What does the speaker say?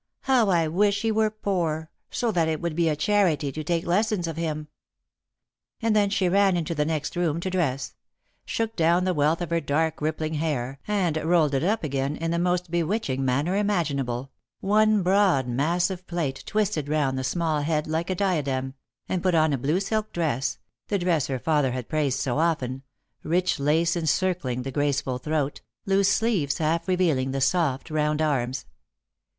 " How I wish he were poor, so that it would be a charity to take lessons of him !" And then she ran into the next room to dress ; shook down the wealth of her dark rippling hair, and rolled it up again in the 28 Lost for Zove. most bewitching manner imaginable — one broad massive plait twisted round the small head like a diadem ; and put on a blue silk dress — the dress her father had praised so often — rich lace encircling the graceful throat, loose sleeves half revealing the soft round arms.